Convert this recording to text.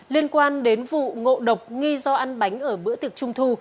liên quan đến vụ ngộ độc nghi do ăn bánh ở bữa tiệc trung thu